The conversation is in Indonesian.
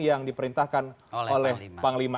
yang diperintahkan oleh panglima